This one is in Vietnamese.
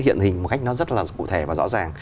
hiện hình một cách nó rất là cụ thể và rõ ràng